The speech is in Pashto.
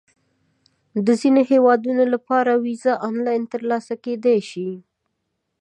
د ځینو هیوادونو لپاره ویزه آنلاین ترلاسه کېدای شي.